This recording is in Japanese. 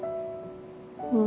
うん。